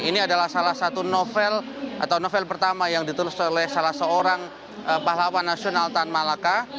ini adalah salah satu novel atau novel pertama yang ditulis oleh salah seorang pahlawan nasional tan malaka